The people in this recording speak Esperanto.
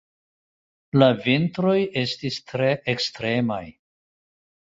La vintroj estas tre ekstremaj.